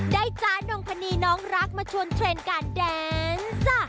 ได้จ๊ะนมพณีน้องรักมาชวนเทรนด์การแดนซ์